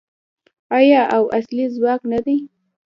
آیا او اصلي ځواک نه دی؟